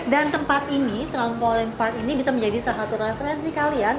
dan tempat ini trampolin park ini bisa menjadi salah satu referensi kalian